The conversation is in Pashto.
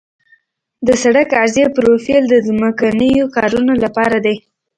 د سړک عرضي پروفیل د ځمکنیو کارونو لپاره دی